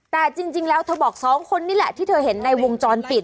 แต่จริงแล้วเธอบอกสองคนนี่แหละที่เธอเห็นในวงจรปิด